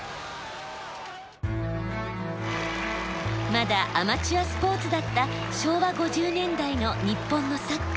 まだアマチュアスポーツだった昭和５０年代の日本のサッカー。